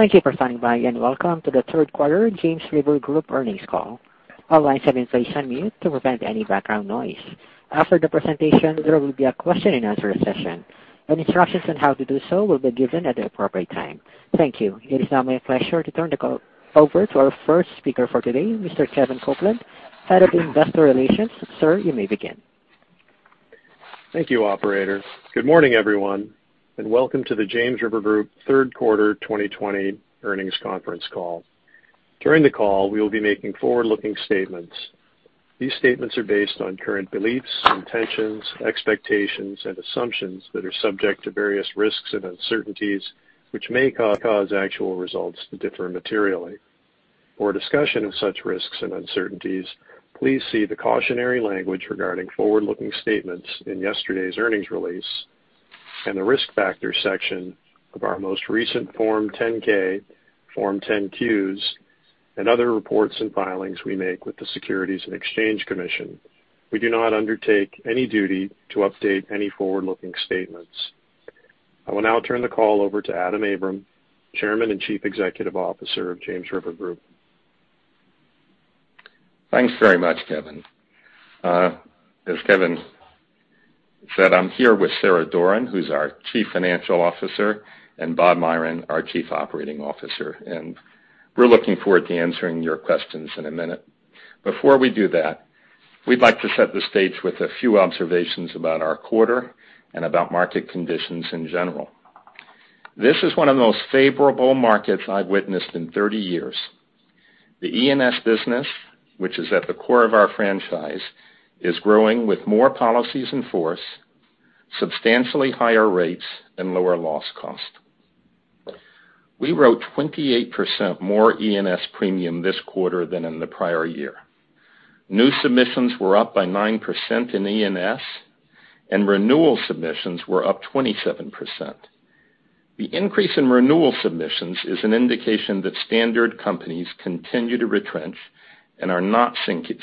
Thank you for standing by, welcome to the third quarter James River Group earnings call. All lines have been placed on mute to prevent any background noise. After the presentation, there will be a question-and-answer session. Instructions on how to do so will be given at the appropriate time. Thank you. It is now my pleasure to turn the call over to our first speaker for today, Mr. Kevin Copeland, Head of Investor Relations. Sir, you may begin. Thank you, operator. Good morning, everyone, welcome to the James River Group third quarter 2020 earnings conference call. During the call, we will be making forward-looking statements. These statements are based on current beliefs, intentions, expectations, and assumptions that are subject to various risks and uncertainties, which may cause actual results to differ materially. For discussion of such risks and uncertainties, please see the cautionary language regarding forward-looking statements in yesterday's earnings release and the Risk Factors section of our most recent Form 10-K, Form 10-Qs, and other reports and filings we make with the Securities and Exchange Commission. We do not undertake any duty to update any forward-looking statements. I will now turn the call over to Adam Abram, Chairman and Chief Executive Officer of James River Group. Thanks very much, Kevin. As Kevin said, I'm here with Sarah Doran, who's our Chief Financial Officer, and Bob Myron, our Chief Operating Officer. We're looking forward to answering your questions in a minute. Before we do that, we'd like to set the stage with a few observations about our quarter and about market conditions in general. This is one of the most favorable markets I've witnessed in 30 years. The E&S business, which is at the core of our franchise, is growing with more policies in force, substantially higher rates, and lower loss cost. We wrote 28% more E&S premium this quarter than in the prior year. New submissions were up by 9% in E&S, renewal submissions were up 27%. The increase in renewal submissions is an indication that standard companies continue to retrench and are not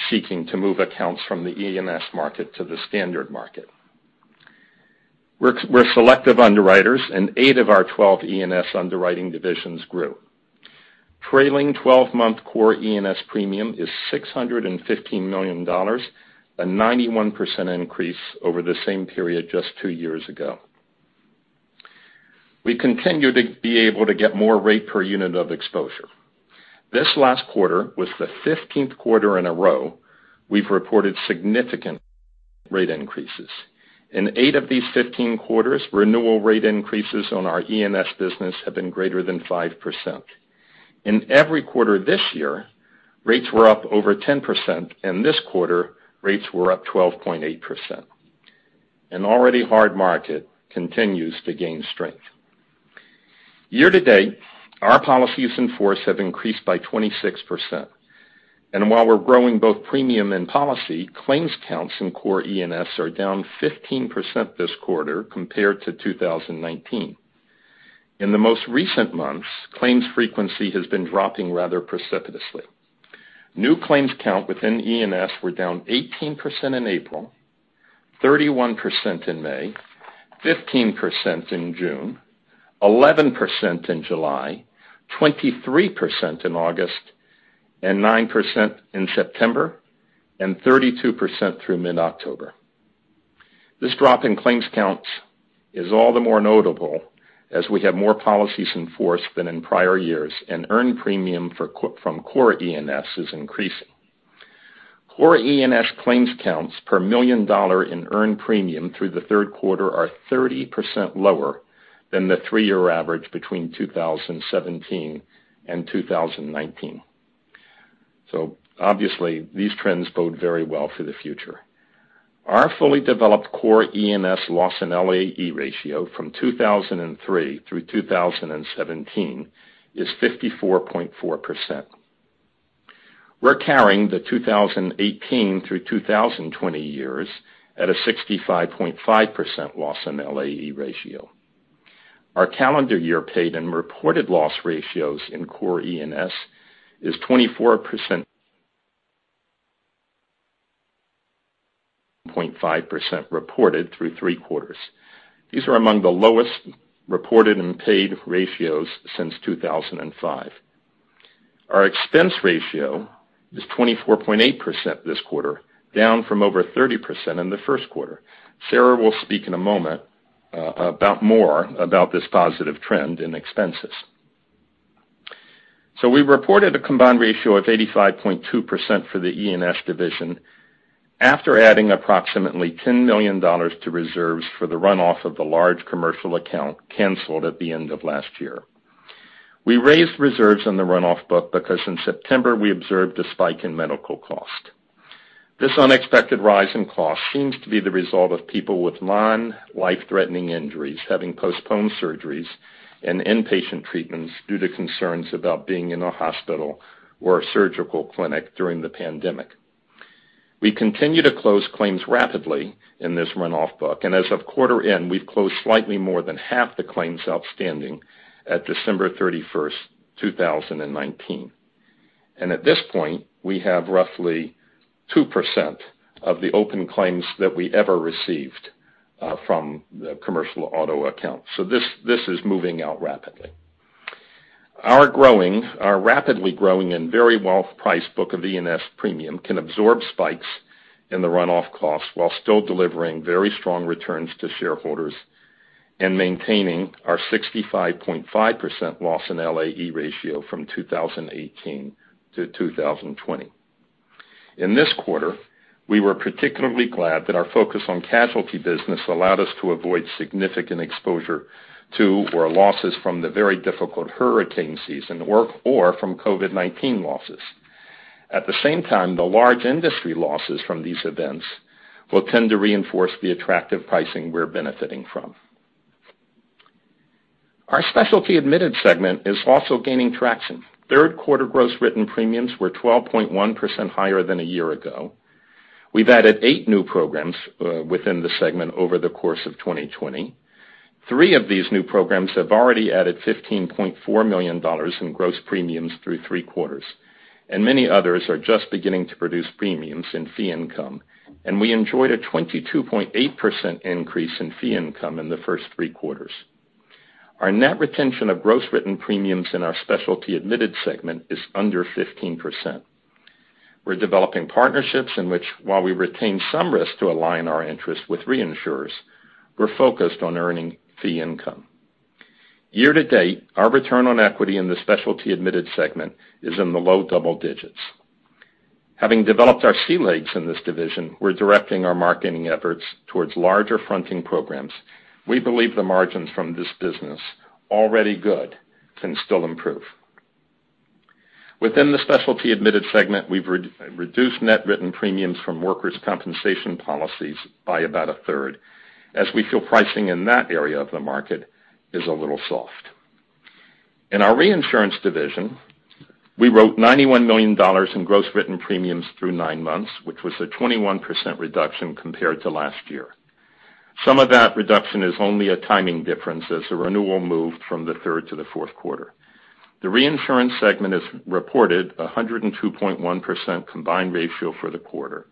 seeking to move accounts from the E&S market to the standard market. Eight of our 12 E&S underwriting divisions grew. Trailing 12-month core E&S premium is $615 million, a 91% increase over the same period just two years ago. We continue to be able to get more rate per unit of exposure. This last quarter was the 15th quarter in a row we've reported significant rate increases. In eight of these 15 quarters, renewal rate increases on our E&S business have been greater than 5%. In every quarter this year, rates were up over 10%, and this quarter, rates were up 12.8%. An already hard market continues to gain strength. Year to date, our policies in force have increased by 26%. While we're growing both premium and policy, claims counts in core E&S are down 15% this quarter compared to 2019. In the most recent months, claims frequency has been dropping rather precipitously. New claims count within E&S were down 18% in April, 31% in May, 15% in June, 11% in July, 23% in August, 9% in September, and 32% through mid-October. This drop in claims counts is all the more notable as we have more policies in force than in prior years, and earned premium from core E&S is increasing. Core E&S claims counts per million dollar in earned premium through the third quarter are 30% lower than the three-year average between 2017 and 2019. Obviously, these trends bode very well for the future. Our fully developed core E&S loss and LAE ratio from 2003 through 2017 is 54.4%. We're carrying the 2018 through 2020 years at a 65.5% loss and LAE ratio. Our calendar year paid and reported loss ratios in core E&S is 24.5% reported through three quarters. These are among the lowest reported and paid ratios since 2005. Our expense ratio is 24.8% this quarter, down from over 30% in the first quarter. Sarah will speak in a moment about more about this positive trend in expenses. We reported a combined ratio of 85.2% for the E&S division after adding approximately $10 million to reserves for the runoff of the large commercial account canceled at the end of last year. We raised reserves on the runoff book because in September, we observed a spike in medical cost. This unexpected rise in cost seems to be the result of people with non-life-threatening injuries having postponed surgeries and inpatient treatments due to concerns about being in a hospital or a surgical clinic during the pandemic. We continue to close claims rapidly in this runoff book, and as of quarter end, we've closed slightly more than half the claims outstanding at December 31st, 2019. At this point, we have roughly 2% of the open claims that we ever received from the commercial auto account. This is moving out rapidly. Our rapidly growing and very well priced book of E&S premium can absorb spikes in the runoff costs while still delivering very strong returns to shareholders and maintaining our 65.5% loss in LAE ratio from 2018 to 2020. In this quarter, we were particularly glad that our focus on casualty business allowed us to avoid significant exposure to, or losses from the very difficult hurricane season or from COVID-19 losses. At the same time, the large industry losses from these events will tend to reinforce the attractive pricing we're benefiting from. Our Specialty Admitted Insurance segment is also gaining traction. Third quarter gross written premiums were 12.1% higher than a year ago. We've added eight new programs within the segment over the course of 2020. Three of these new programs have already added $15.4 million in gross premiums through three quarters, and many others are just beginning to produce premiums and fee income. We enjoyed a 22.8% increase in fee income in the first three quarters. Our net retention of gross written premiums in our Specialty Admitted Insurance segment is under 15%. We're developing partnerships in which, while we retain some risk to align our interests with reinsurers, we're focused on earning fee income. Year to date, our return on equity in the Specialty Admitted Segment is in the low double digits. Having developed our sea legs in this division, we're directing our marketing efforts towards larger fronting programs. We believe the margins from this business, already good, can still improve. Within the Specialty Admitted Segment, we've reduced net written premiums from workers' compensation policies by about a third, as we feel pricing in that area of the market is a little soft. In our reinsurance division, we wrote $91 million in gross written premiums through 9 months, which was a 21% reduction compared to last year. Some of that reduction is only a timing difference, as the renewal moved from the third to the fourth quarter. The reinsurance segment has reported 102.1% combined ratio for the quarter.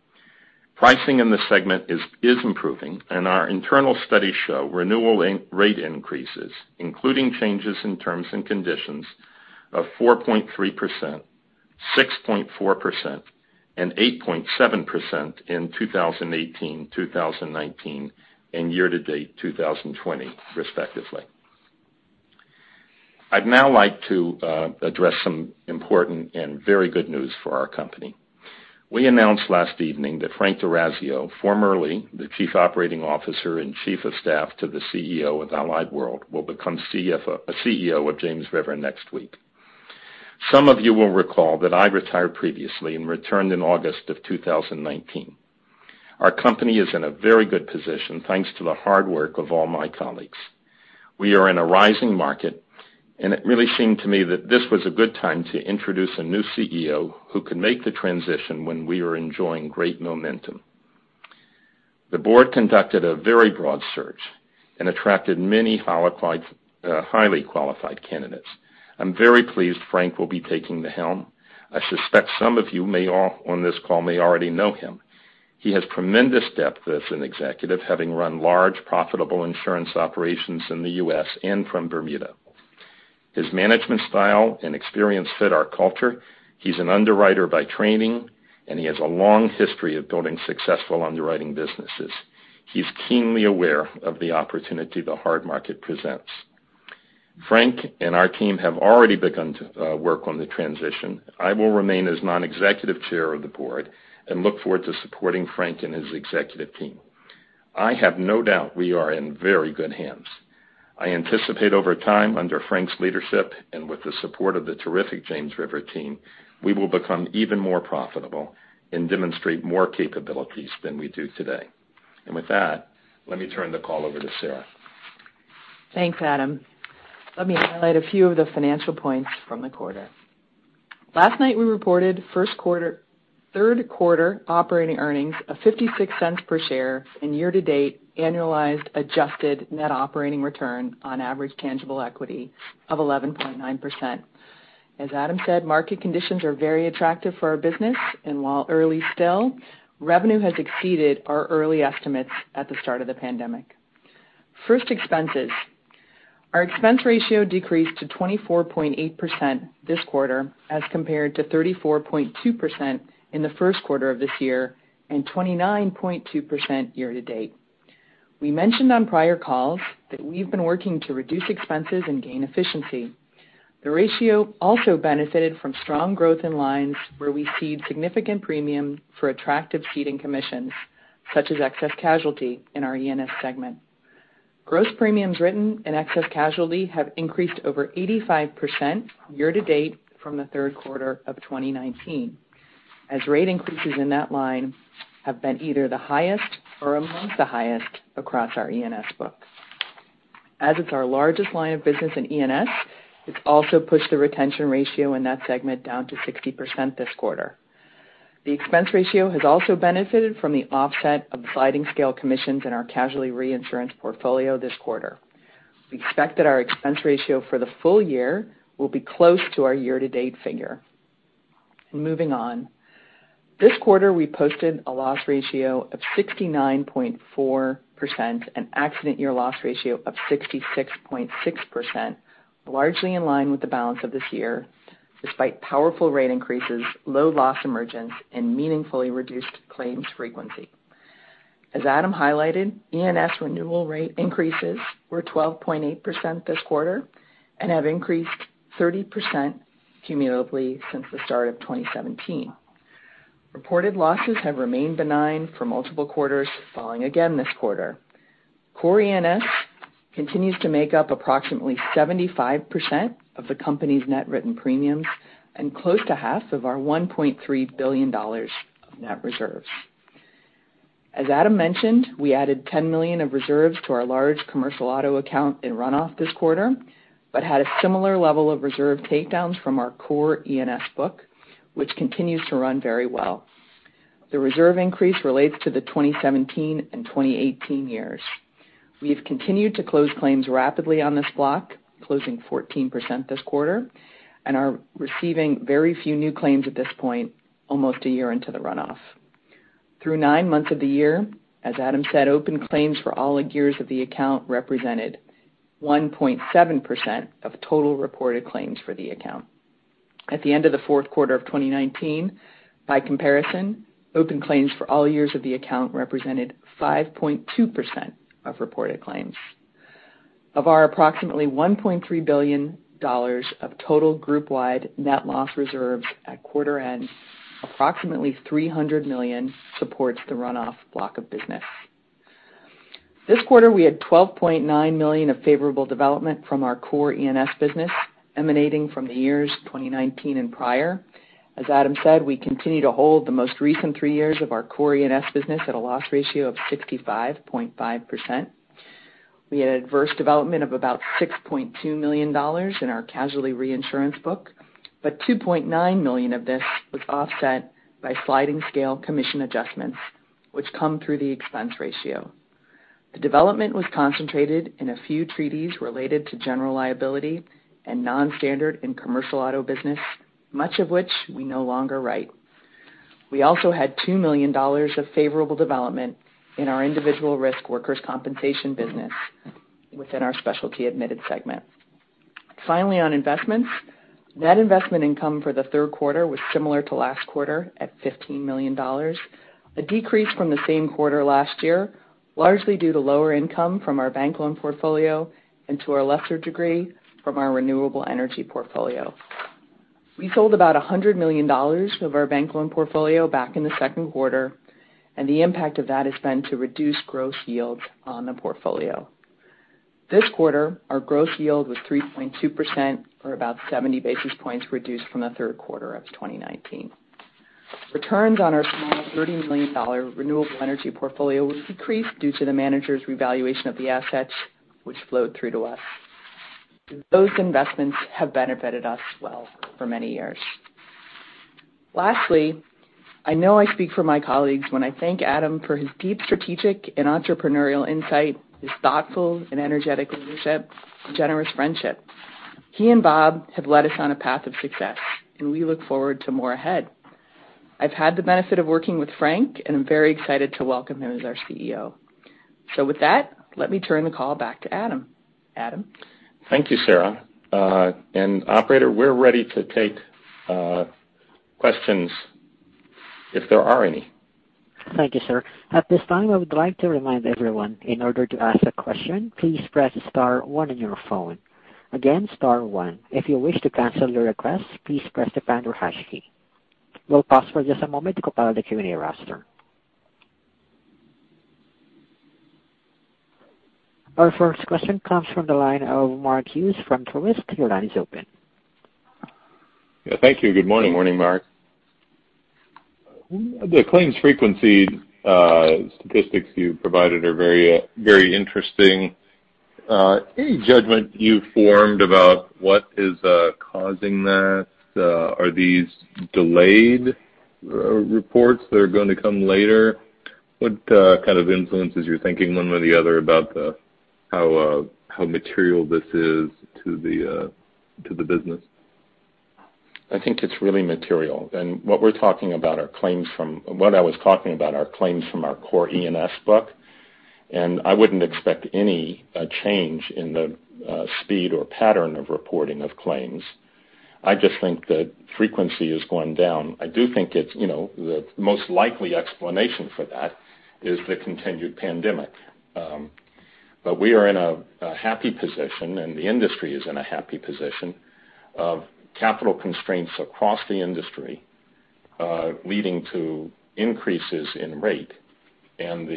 Pricing in the segment is improving, and our internal studies show renewal rate increases, including changes in terms and conditions of 4.3%, 6.4%, and 8.7% in 2018, 2019, and year to date 2020, respectively. I'd now like to address some important and very good news for our company. We announced last evening that Frank D'Orazio, formerly the Chief Operating Officer and Chief of Staff to the CEO of Allied World, will become CEO of James River next week. Some of you will recall that I retired previously and returned in August of 2019. Our company is in a very good position, thanks to the hard work of all my colleagues. We are in a rising market. It really seemed to me that this was a good time to introduce a new CEO who can make the transition when we are enjoying great momentum. The board conducted a very broad search and attracted many highly qualified candidates. I'm very pleased Frank will be taking the helm. I suspect some of you on this call may already know him. He has tremendous depth as an executive, having run large profitable insurance operations in the U.S. and from Bermuda. His management style and experience fit our culture. He's an underwriter by training, and he has a long history of building successful underwriting businesses. He's keenly aware of the opportunity the hard market presents. Frank and our team have already begun to work on the transition. I will remain as non-executive chair of the board and look forward to supporting Frank and his executive team. I have no doubt we are in very good hands. I anticipate over time, under Frank's leadership and with the support of the terrific James River team, we will become even more profitable and demonstrate more capabilities than we do today. With that, let me turn the call over to Sarah. Thanks, Adam. Let me highlight a few of the financial points from the quarter. Last night we reported third quarter operating earnings of $0.56 per share and year to date annualized adjusted net operating return on average tangible equity of 11.9%. As Adam said, market conditions are very attractive for our business, and while early still, revenue has exceeded our early estimates at the start of the pandemic. First, expenses. Our expense ratio decreased to 24.8% this quarter as compared to 34.2% in the first quarter of this year and 29.2% year to date. We mentioned on prior calls that we've been working to reduce expenses and gain efficiency. The ratio also benefited from strong growth in lines where we cede significant premium for attractive ceding commissions, such as excess casualty in our E&S segment. Gross premiums written in excess casualty have increased over 85% year to date from the third quarter of 2019, as rate increases in that line have been either the highest or amongst the highest across our E&S book. As it's our largest line of business in E&S, it's also pushed the retention ratio in that segment down to 60% this quarter. The expense ratio has also benefited from the offset of sliding scale commissions in our casualty reinsurance portfolio this quarter. We expect that our expense ratio for the full year will be close to our year-to-date figure. Moving on. This quarter, we posted a loss ratio of 69.4% and accident year loss ratio of 66.6%, largely in line with the balance of this year, despite powerful rate increases, low loss emergence, and meaningfully reduced claims frequency. As Adam highlighted, E&S renewal rate increases were 12.8% this quarter and have increased 30% cumulatively since the start of 2017. Reported losses have remained benign for multiple quarters, falling again this quarter. Core E&S continues to make up approximately 75% of the company's net written premiums and close to half of our $1.3 billion of net reserves. As Adam mentioned, we added $10 million of reserves to our large commercial auto account in runoff this quarter, but had a similar level of reserve takedowns from our core E&S book, which continues to run very well. The reserve increase relates to the 2017 and 2018 years. We've continued to close claims rapidly on this block, closing 14% this quarter, and are receiving very few new claims at this point, almost a year into the runoff. Through nine months of the year, as Adam said, open claims for all years of the account represented 1.7% of total reported claims for the account. At the end of the fourth quarter of 2019, by comparison, open claims for all years of the account represented 5.2% of reported claims. Of our approximately $1.3 billion of total group-wide net loss reserves at quarter end, approximately $300 million supports the runoff block of business. This quarter, we had $12.9 million of favorable development from our core E&S business emanating from the years 2019 and prior. As Adam said, we continue to hold the most recent three years of our core E&S business at a loss ratio of 65.5%. We had adverse development of about $6.2 million in our casualty reinsurance book, but $2.9 million of this was offset by sliding scale commission adjustments, which come through the expense ratio. The development was concentrated in a few treaties related to general liability and non-standard and commercial auto business, much of which we no longer write. We also had $2 million of favorable development in our individual risk workers' compensation business within our Specialty Admitted segment. Finally, on investments. Net investment income for the third quarter was similar to last quarter, at $15 million. A decrease from the same quarter last year, largely due to lower income from our bank loan portfolio and to a lesser degree, from our renewable energy portfolio. We sold about $100 million of our bank loan portfolio back in the second quarter, and the impact of that has been to reduce gross yields on the portfolio. This quarter, our gross yield was 3.2%, or about 70 basis points reduced from the third quarter of 2019. Returns on our small $30 million renewable energy portfolio was decreased due to the manager's revaluation of the assets which flowed through to us. Those investments have benefited us well for many years. Lastly, I know I speak for my colleagues when I thank Adam for his deep strategic and entrepreneurial insight, his thoughtful and energetic leadership, and generous friendship. He and Bob have led us on a path of success, and we look forward to more ahead. I've had the benefit of working with Frank, and I'm very excited to welcome him as our CEO. With that, let me turn the call back to Adam. Adam? Thank you, Sarah. Operator, we're ready to take questions if there are any. Thank you, sir. At this time, I would like to remind everyone, in order to ask a question, please press star one on your phone. Again, star one. If you wish to cancel your request, please press the pound or hash key. We'll pause for just a moment to compile the Q&A roster. Our first question comes from the line of Mark Hughes from Truist. Your line is open. Yeah, thank you. Good morning. Morning, Mark. The claims frequency statistics you provided are very interesting. Any judgment you formed about what is causing that? Are these delayed reports that are going to come later? What kind of influences your thinking one way or the other about how material this is to the business? I think it's really material. What I was talking about are claims from our core E&S book, and I wouldn't expect any change in the speed or pattern of reporting of claims. I just think that frequency is going down. I do think the most likely explanation for that is the continued pandemic. We are in a happy position, and the industry is in a happy position of capital constraints across the industry leading to increases in rate, and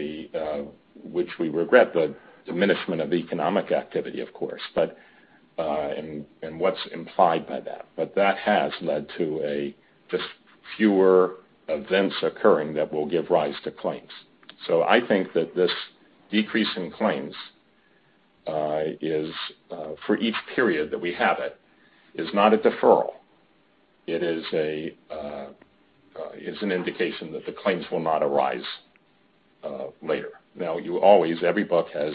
which we regret, the diminishment of economic activity, of course, and what's implied by that. That has led to just fewer events occurring that will give rise to claims. I think that this decrease in claims for each period that we have it, is not a deferral. It is an indication that the claims will not arise later. Every book has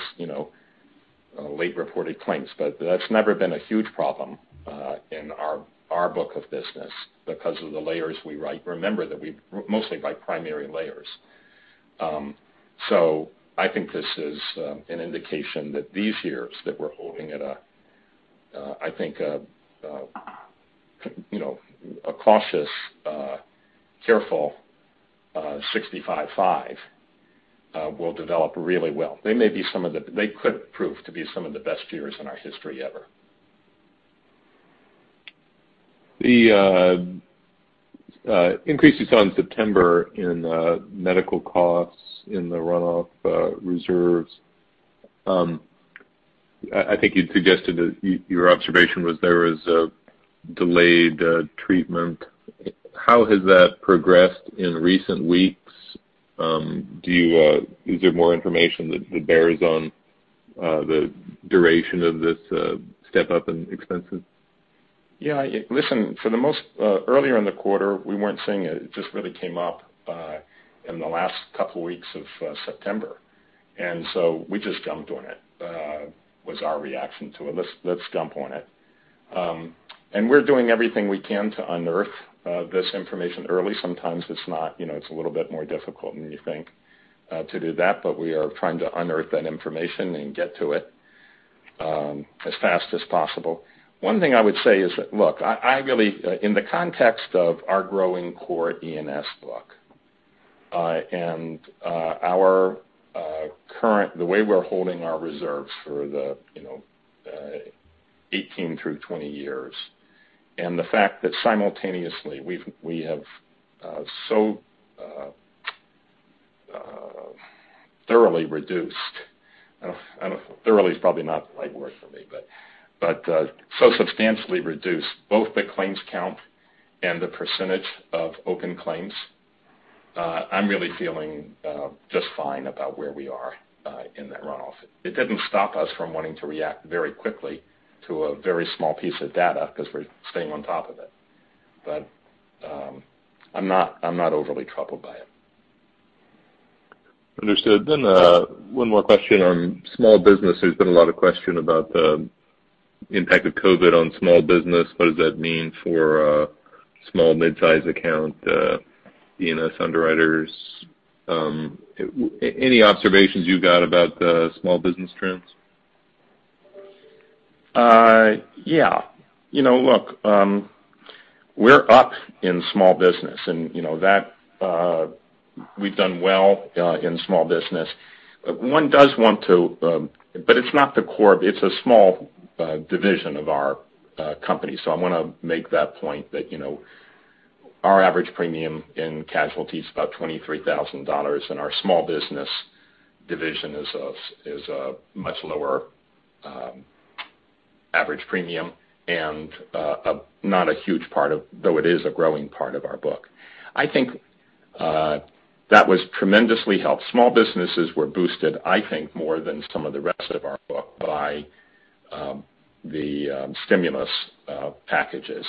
late reported claims, but that's never been a huge problem in our book of business because of the layers we write. Remember that we mostly buy primary layers. I think this is an indication that these years that we're holding at, I think, a cautious, careful 65.5% will develop really well. They could prove to be some of the best years in our history ever. The increases on September in medical costs in the runoff reserves, I think you'd suggested that your observation was there was a delayed treatment. How has that progressed in recent weeks? Is there more information that bears on the duration of this step up in expenses? Listen, earlier in the quarter, we weren't seeing it. It just really came up in the last couple of weeks of September. We just jumped on it, was our reaction to it. Let's jump on it. We're doing everything we can to unearth this information early. Sometimes it's a little bit more difficult than you think to do that, but we are trying to unearth that information and get to it as fast as possible. One thing I would say is, look, in the context of our growing core E&S book, and the way we're holding our reserves for the 18 through 20 years, and the fact that simultaneously we have so thoroughly reduced, thoroughly is probably not the right word for me, but so substantially reduced both the claims count and the percentage of open claims. I'm really feeling just fine about where we are in that runoff. It doesn't stop us from wanting to react very quickly to a very small piece of data because we're staying on top of it. I'm not overly troubled by it. Understood. One more question on small business. There's been a lot of question about the impact of COVID on small business. What does that mean for small mid-size account E&S underwriters? Any observations you got about the small business trends? Yeah. Look, we're up in small business, we've done well in small business. It's not the core, it's a small division of our company. I want to make that point that our average premium in casualty is about $23,000, our small business division is a much lower average premium, though it is a growing part of our book. I think that was tremendously helped. Small businesses were boosted, I think, more than some of the rest of our book by the stimulus packages.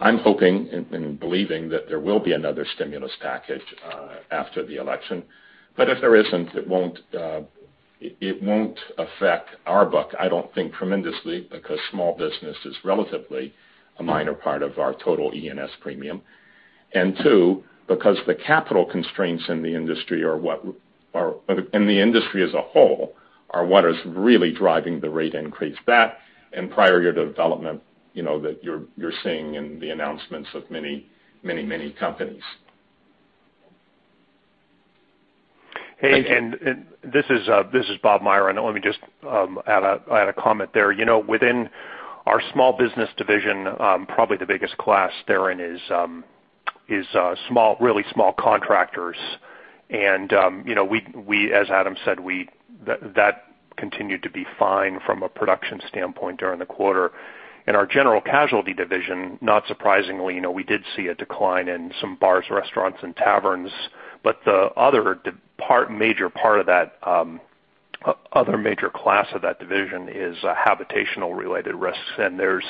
I'm hoping and believing that there will be another stimulus package after the election. If there isn't, it won't affect our book, I don't think tremendously, because small business is relatively a minor part of our total E&S premium. Two, because the capital constraints in the industry as a whole are what is really driving the rate increase that and prior year development that you're seeing in the announcements of many companies. Thank you. Hey, this is Bob Myron. Let me just add a comment there. Within our small business division, probably the biggest class therein is really small contractors. As Adam said, that continued to be fine from a production standpoint during the quarter. In our general casualty division, not surprisingly, we did see a decline in some bars, restaurants, and taverns. The other major class of that division is habitational related risks, and there's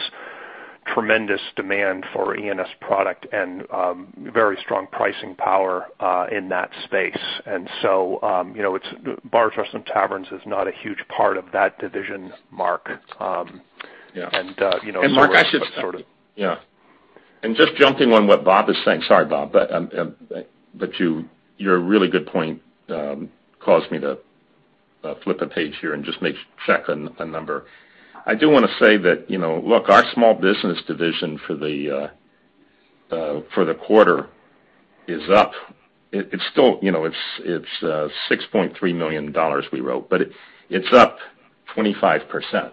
tremendous demand for E&S product and very strong pricing power in that space. Bars, restaurants, and taverns is not a huge part of that division, Mark. Yeah. Just jumping on what Bob is saying. Sorry, Bob. Your really good point caused me to flip a page here and just check a number. I do want to say that, look, our small business division for the quarter is up. It's $6.3 million we wrote, but it's up 25%.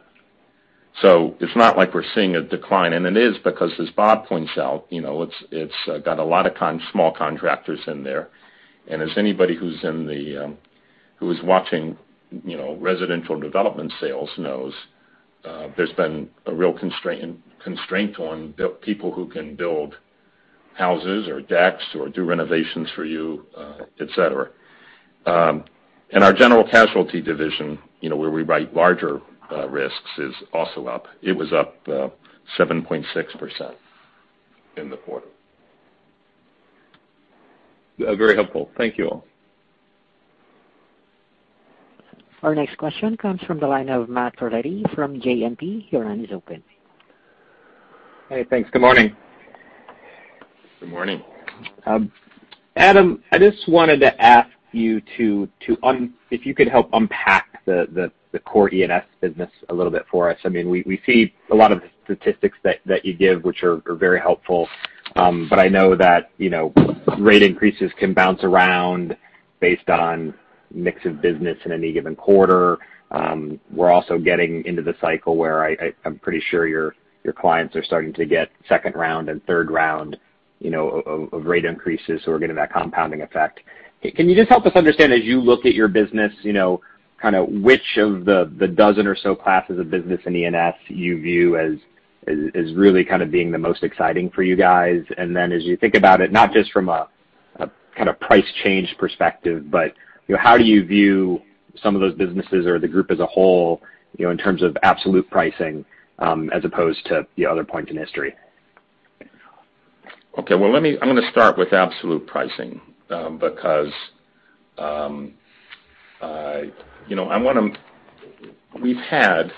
It's not like we're seeing a decline. It is because, as Bob points out, it's got a lot of small contractors in there. As anybody who's watching residential development sales knows, there's been a real constraint on people who can build houses or decks or do renovations for you, et cetera. Our general casualty division, where we write larger risks, is also up. It was up 7.6% in the quarter. Very helpful. Thank you all. Our next question comes from the line of Matt Carletti from JMP. Your line is open. Hey, thanks. Good morning. Good morning. Adam, I just wanted to ask you if you could help unpack the core E&S business a little bit for us. We see a lot of statistics that you give, which are very helpful. I know that rate increases can bounce around based on mix of business in any given quarter. We're also getting into the cycle where I'm pretty sure your clients are starting to get second round and third round of rate increases, we're getting that compounding effect. Can you just help us understand, as you look at your business, which of the dozen or so classes of business in E&S you view as really being the most exciting for you guys? As you think about it, not just from a price change perspective, how do you view some of those businesses or the group as a whole in terms of absolute pricing as opposed to the other point in history? I'm going to start with absolute pricing. We've had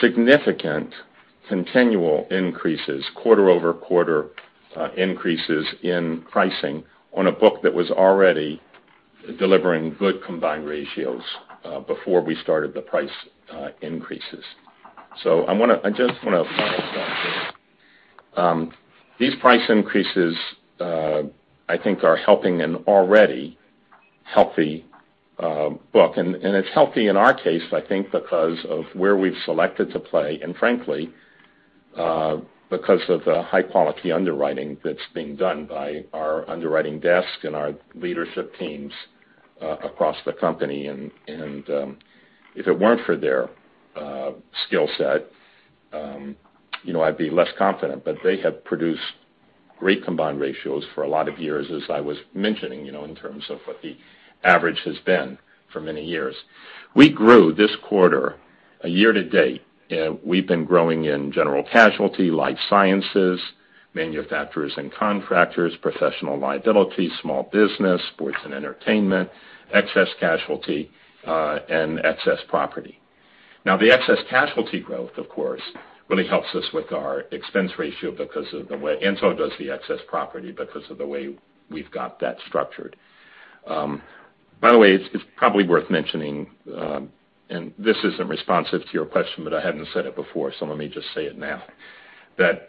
significant continual increases, quarter-over-quarter increases in pricing on a book that was already delivering good combined ratios before we started the price increases. I just want to start there. These price increases, I think, are helping an already healthy book. It's healthy in our case, I think, because of where we've selected to play, and frankly, because of the high-quality underwriting that's being done by our underwriting desk and our leadership teams across the company. If it weren't for their skill set I'd be less confident. They have produced great combined ratios for a lot of years, as I was mentioning, in terms of what the average has been for many years. We grew this quarter, year-to-date, we've been growing in general casualty, life sciences, manufacturers and contractors, professional liability, small business, sports and entertainment, excess casualty, and excess property. The excess casualty growth, of course, really helps us with our expense ratio, and so does the excess property because of the way we've got that structured. It's probably worth mentioning that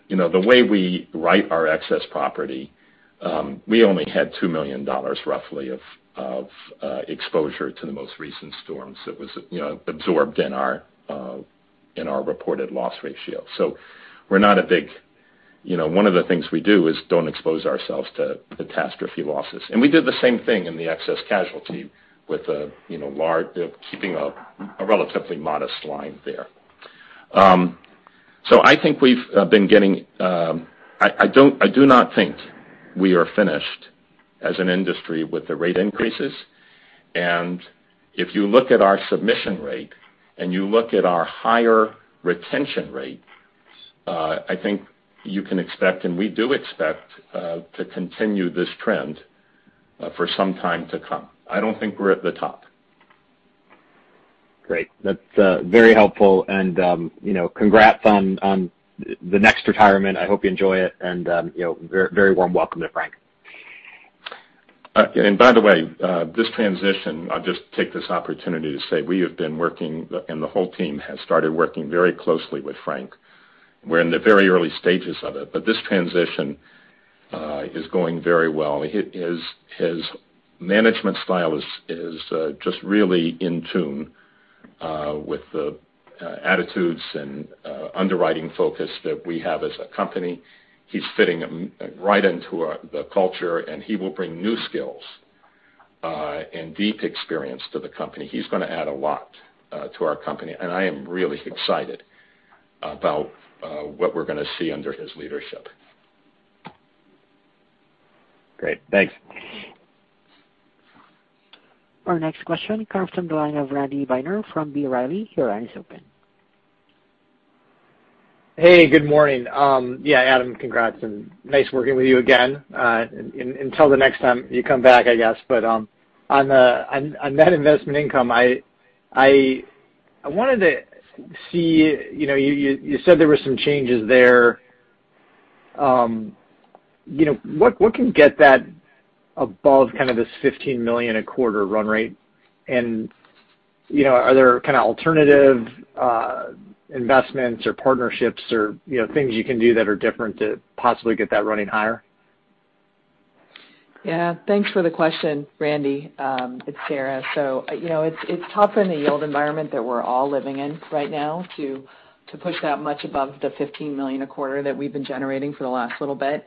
the way we write our excess property, we only had $2 million, roughly, of exposure to the most recent storms. It was absorbed in our reported loss ratio. One of the things we do is don't expose ourselves to catastrophe losses. We did the same thing in the excess casualty with keeping a relatively modest line there. I do not think we are finished as an industry with the rate increases, if you look at our submission rate and you look at our higher retention rate, I think you can expect, and we do expect, to continue this trend for some time to come. I don't think we're at the top. Great. That's very helpful. Congrats on the next retirement. I hope you enjoy it, very warm welcome to Frank. By the way, this transition, I'll just take this opportunity to say we have been working, and the whole team has started working very closely with Frank. We're in the very early stages of it, but this transition is going very well. His management style is just really in tune with the attitudes and underwriting focus that we have as a company. He's fitting right into the culture, and he will bring new skills and deep experience to the company. He's going to add a lot to our company, and I am really excited about what we're going to see under his leadership. Great. Thanks. Our next question comes from the line of Randy Binner from B. Riley. Your line is open. Hey, good morning. Yeah, Adam, congrats, and nice working with you again, until the next time you come back, I guess. On net investment income, I wanted to see, you said there were some changes there. What can get that above this $15 million a quarter run rate? Are there alternative investments or partnerships or things you can do that are different to possibly get that running higher? Thanks for the question, Randy. It's Sarah. It's tough in the yield environment that we're all living in right now to push that much above the $15 million a quarter that we've been generating for the last little bit.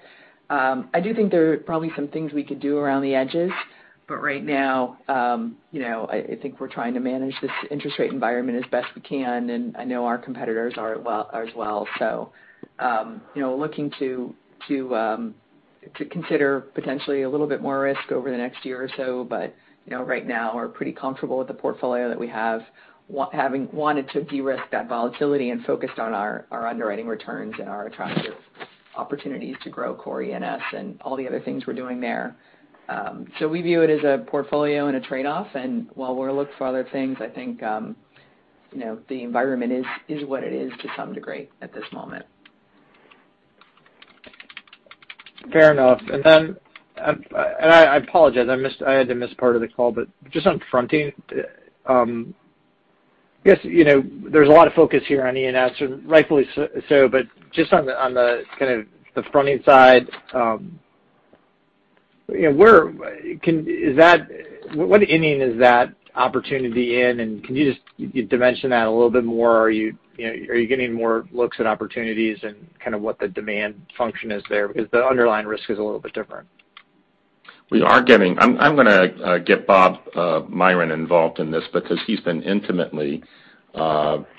I do think there are probably some things we could do around the edges, right now, I think we're trying to manage this interest rate environment as best we can, and I know our competitors are as well. Looking to consider potentially a little bit more risk over the next year or so, right now we're pretty comfortable with the portfolio that we have, having wanted to de-risk that volatility and focused on our underwriting returns and our attractive opportunities to grow core E&S and all the other things we're doing there. We view it as a portfolio and a trade-off, while we'll look for other things, I think, the environment is what it is to some degree at this moment. Fair enough. I apologize, I had to miss part of the call, just on fronting, I guess, there's a lot of focus here on E&S, rightfully so, just on the kind of the fronting side, what inning is that opportunity in, and can you just dimension that a little bit more? Are you getting more looks and opportunities and kind of what the demand function is there? Because the underlying risk is a little bit different. I'm going to get Bob Myron involved in this because he's been intimately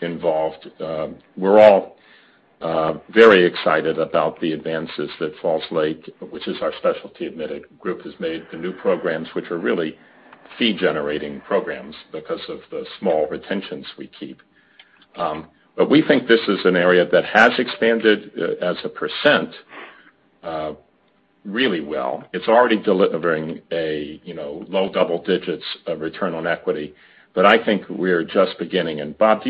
involved. We're all very excited about the advances that Falls Lake, which is our specialty admitted group, has made the new programs, which are really fee-generating programs because of the small retentions we keep. We think this is an area that has expanded as a percent really well. It's already delivering low double digits of return on equity, but I think we're just beginning. Bob,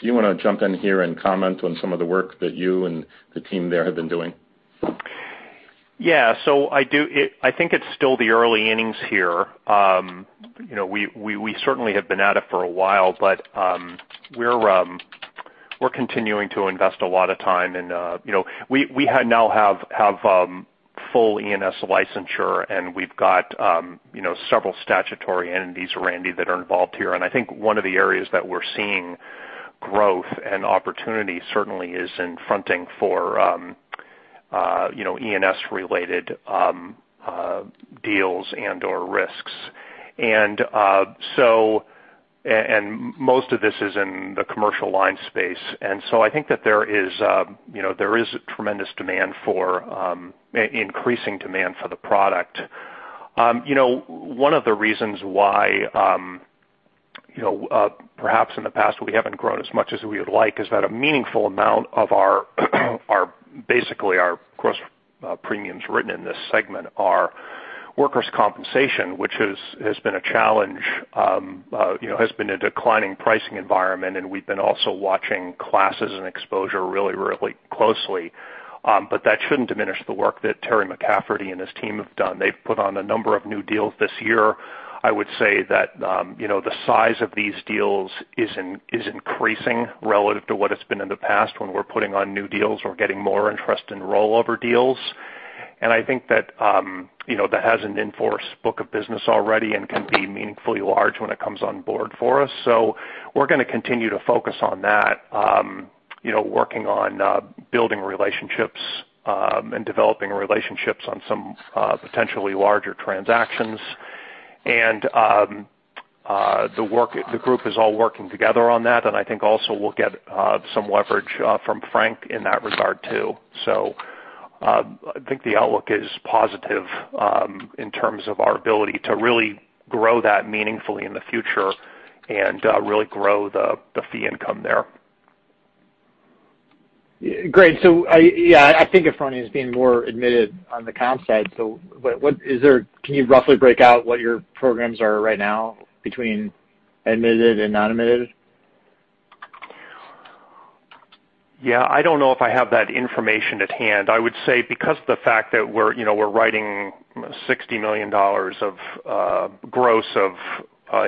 do you want to jump in here and comment on some of the work that you and the team there have been doing? Yeah. I think it's still the early innings here. We certainly have been at it for a while, but we're continuing to invest a lot of time and we now have full E&S licensure, and we've got several statutory entities, Randy, that are involved here. I think one of the areas that we're seeing growth and opportunity certainly is in fronting for E&S related deals and/or risks. Most of this is in the commercial line space. I think that there is a tremendous demand for increasing demand for the product. One of the reasons why perhaps in the past we haven't grown as much as we would like is that a meaningful amount of basically our gross premiums written in this segment are workers' compensation, which has been a challenge, has been a declining pricing environment, and we've been also watching classes and exposure really, really closely. That shouldn't diminish the work that Terry McCafferty and his team have done. They've put on a number of new deals this year. I would say that the size of these deals is increasing relative to what it's been in the past when we're putting on new deals or getting more interest in rollover deals. I think that has an in-force book of business already and can be meaningfully large when it comes on board for us. We're going to continue to focus on that, working on building relationships, and developing relationships on some potentially larger transactions. The group is all working together on that. I think also we'll get some leverage from Frank in that regard too. I think the outlook is positive in terms of our ability to really grow that meaningfully in the future and really grow the fee income there. Great. I think a fronting is being more admitted on the comp side. Can you roughly break out what your programs are right now between admitted and not admitted? Yeah. I don't know if I have that information at hand. I would say because of the fact that we're writing $60 million of gross of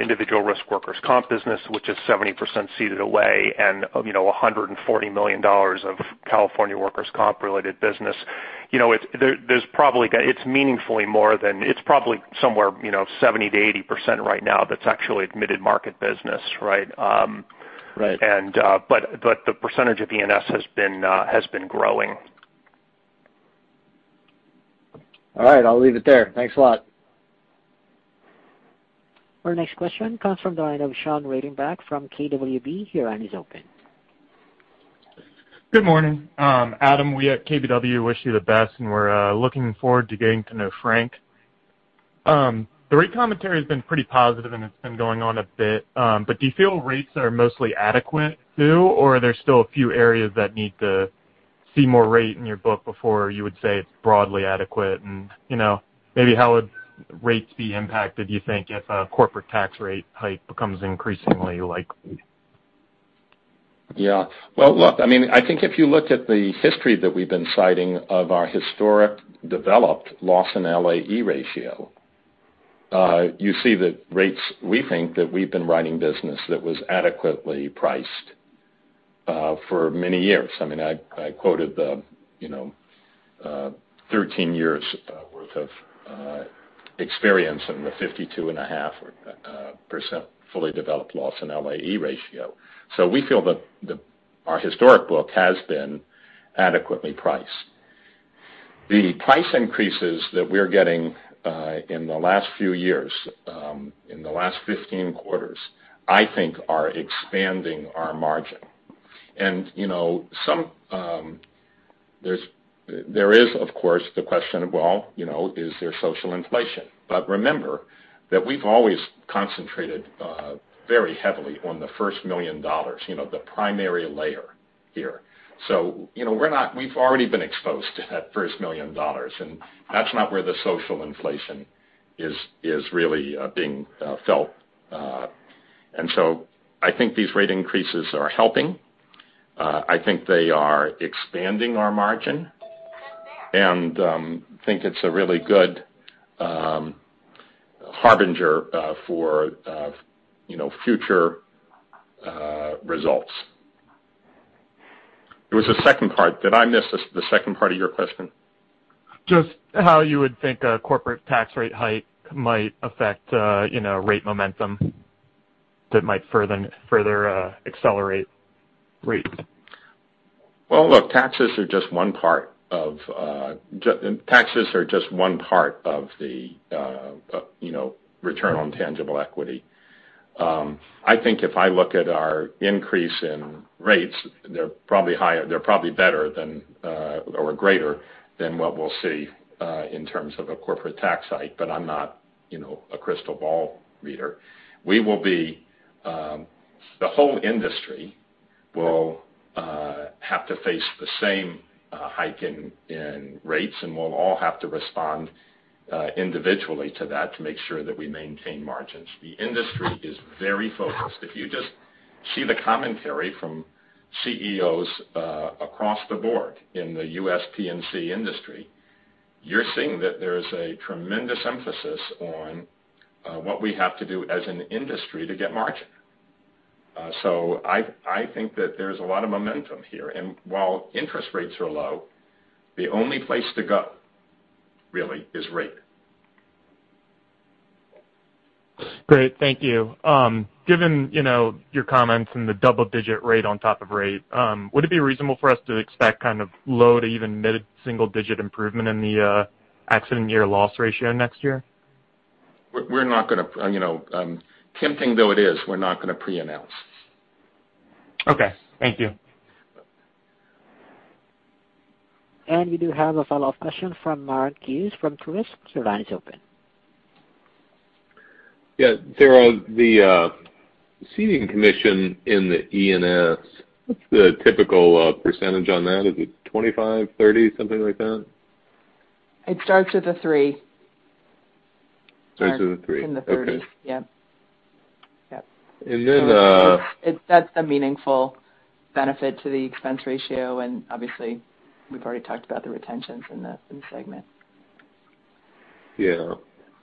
individual risk workers' comp business, which is 70% ceded away and $140 million of California workers' comp related business. It's probably somewhere 70%-80% right now that's actually admitted market business, right? Right. The percentage of E&S has been growing. All right. I'll leave it there. Thanks a lot. Our next question comes from the line of Sean Reitenbach from KBW. Your line is open. Good morning. Adam, we at KBW wish you the best, and we're looking forward to getting to know Frank. The rate commentary has been pretty positive, and it's been going on a bit. Do you feel rates are mostly adequate too, or are there still a few areas that need to see more rate in your book before you would say it's broadly adequate? Maybe how would rates be impacted, you think, if a corporate tax rate hike becomes increasingly likely? Well, look, I think if you looked at the history that we've been citing of our historic developed loss in LAE ratio, you see that rates, we think that we've been writing business that was adequately priced for many years. I quoted the 13 years worth of experience in the 52.5% fully developed loss in LAE ratio. We feel our historic book has been adequately priced. The price increases that we're getting in the last few years, in the last 15 quarters, I think are expanding our margin. There is, of course, the question of, well, is there social inflation? Remember that we've always concentrated very heavily on the first $1 million, the primary layer here. We've already been exposed to that first $1 million, and that's not where the social inflation is really being felt. I think these rate increases are helping. I think they are expanding our margin and think it's a really good harbinger for future results. There was a second part. Did I miss the second part of your question? Just how you would think a corporate tax rate hike might affect rate momentum that might further accelerate rates. Well, look, taxes are just one part of the return on tangible equity. I think if I look at our increase in rates, they're probably better or greater than what we'll see in terms of a corporate tax hike, but I'm not a crystal ball reader. The whole industry will have to face the same hike in rates, and we'll all have to respond individually to that to make sure that we maintain margins. The industry is very focused. If you just see the commentary from CEOs across the board in the U.S. P&C industry, you're seeing that there is a tremendous emphasis on what we have to do as an industry to get margin. I think that there's a lot of momentum here. While interest rates are low, the only place to go, really, is rate. Great, thank you. Given your comments and the double-digit rate on top of rate, would it be reasonable for us to expect low to even mid-single-digit improvement in the accident year loss ratio next year? Tempting though it is, we're not going to pre-announce. Okay, thank you. We do have a follow-up question from Mark Hughes from Truist. Your line is open. Sarah, the ceding commission in the E&S, what's the typical percentage on that? Is it 25, 30, something like that? It starts with a three. Starts with a three. In the 30s. Yep. And then- That's a meaningful benefit to the expense ratio, and obviously, we've already talked about the retentions in the segment. Yeah.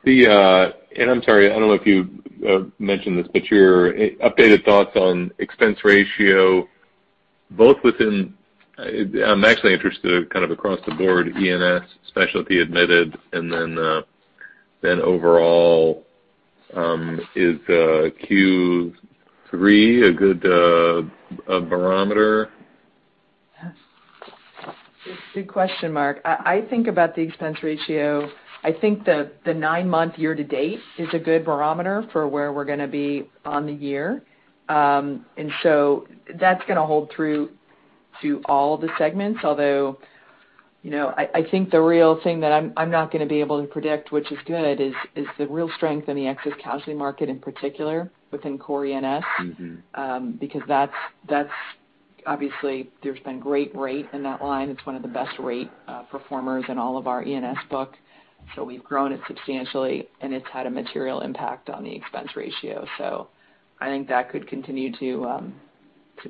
I'm sorry, I don't know if you mentioned this, but your updated thoughts on expense ratio, both within I'm actually interested kind of across the board, E&S, Specialty Admitted, and then overall, is Q3 a good barometer? It's a good question, Mark. I think about the expense ratio. I think the 9-month year-to-date is a good barometer for where we're going to be on the year. That's going to hold true to all the segments. Although, I think the real thing that I'm not going to be able to predict, which is good, is the real strength in the excess casualty market, in particular within core E&S. Obviously, there's been great rate in that line. It's one of the best rate performers in all of our E&S book. We've grown it substantially, and it's had a material impact on the expense ratio. I think that could continue to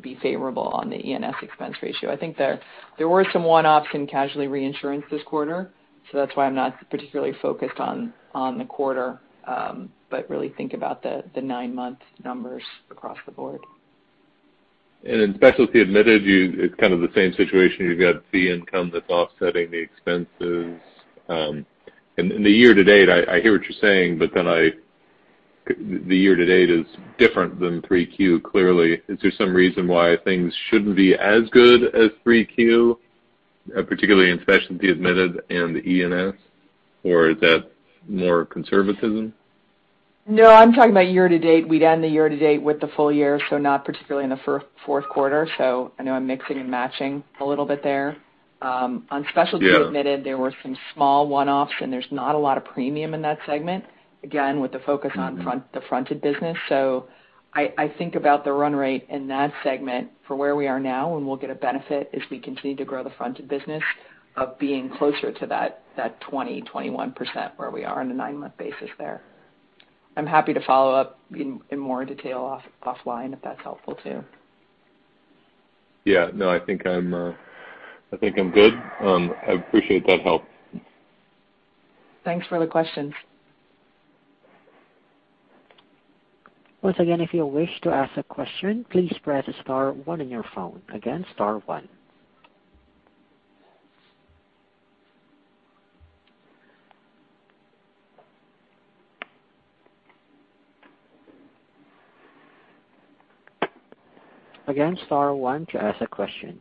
be favorable on the E&S expense ratio. I think there were some one-offs in casualty reinsurance this quarter. That's why I'm not particularly focused on the quarter, but really think about the 9-month numbers across the board. In specialty admitted, it's kind of the same situation. You've got fee income that's offsetting the expenses. The year-to-date, I hear what you're saying, but then the year-to-date is different than 3Q, clearly. Is there some reason why things shouldn't be as good as 3Q, particularly in specialty admitted and E&S, or is that more conservatism? No, I'm talking about year-to-date. We'd end the year-to-date with the full year, not particularly in the fourth quarter. I know I'm mixing and matching a little bit there. Yeah. On Specialty Admitted, there were some small one-offs, and there's not a lot of premium in that segment, again, with the focus on the fronted business. I think about the run rate in that segment for where we are now, and we'll get a benefit as we continue to grow the fronted business of being closer to that 20%-21% where we are on a nine-month basis there. I'm happy to follow up in more detail offline if that's helpful too. Yeah. No, I think I'm good. I appreciate that help. Thanks for the questions. Once again, if you wish to ask a question, please press star one on your phone. Again, star one. Again, star one to ask a question.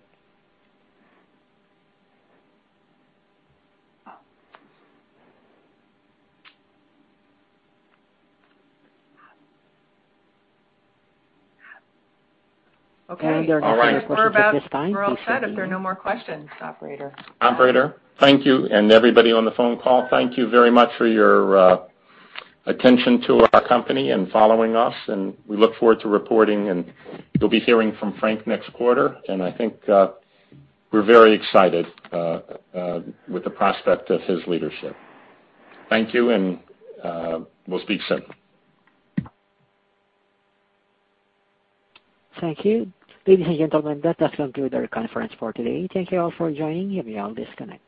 Okay. There are no further questions at this time. We're all set if there are no more questions, operator. Operator, thank you, and everybody on the phone call, thank you very much for your attention to our company and following us, and we look forward to reporting, and you'll be hearing from Frank next quarter. I think we're very excited with the prospect of his leadership. Thank you, and we'll speak soon. Thank you. Ladies and gentlemen, that does conclude our conference for today. Thank you all for joining, and we all disconnect.